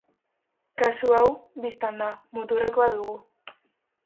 Kasu hau, bistan da, muturrekoa dugu.